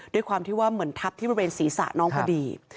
ด้วยความที่ว่าเหมือนทับที่บริเวณศีรษะน้องพอดี